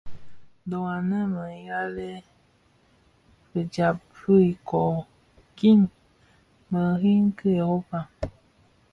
Dho anë a më ghalèn, fidyab fi ikōō, kiň biriň ki Europa.